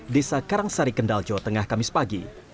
desa karangsari kendal jawa tengah kamis pagi